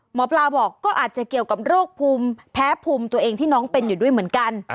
หมอปลาบอกก็อาจจะเกี่ยวกับโรคภูมิแพ้ภูมิตัวเองที่น้องเป็นอยู่ด้วยเหมือนกัน